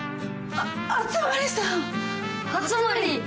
あ熱護さん！